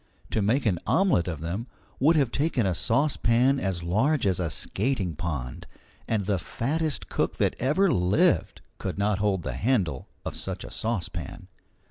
To make an omelette of them would have taken a saucepan as large as a skating pond, and the fattest cook that ever lived could not hold the handle of such a saucepan.